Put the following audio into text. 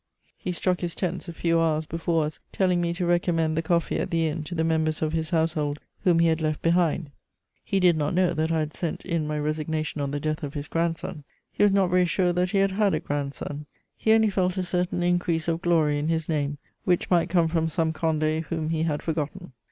He struck his tents a few hours before us, telling me to recommend the coffee at the inn to the members of his Household whom he had left behind him. He did not know that I had sent in my resignation on the death of his grandson; he was not very sure that he had had a grandson; he only felt a certain increase of glory in his name, which might come from some Condé whom he had forgotten.